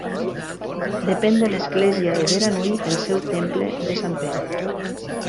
Depèn de l'església de Beranui el seu temple de Sant Pere.